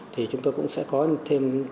thì chúng tôi cũng sẽ có thêm